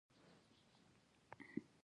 د علي له کارونو څخه احمد څارنه کوي.